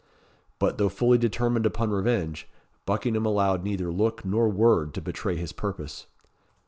But, though fully determined upon revenge, Buckingham allowed neither look nor word to betray his purpose.